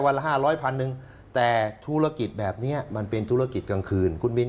ละ๕๐๐พันหนึ่งแต่ธุรกิจแบบนี้มันเป็นธุรกิจกลางคืนคุณมิน